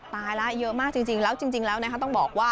ตายแล้วเยอะมากจริงแล้วต้องบอกว่า